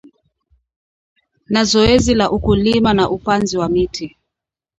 na zoezi la ukulima na upanzi wa miti